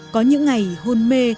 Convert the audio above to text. có những ngày hôn mê